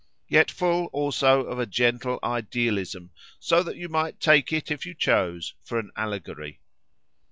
yet full also of a gentle idealism, so that you might take it, if you chose, for an allegory.